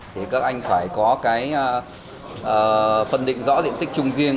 thì các anh phải có cái phân định rõ diện tích chung riêng